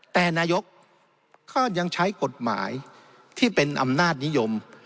แต่นายกก็ยังใช้กฎหมายที่เป็นอำนาจนิยม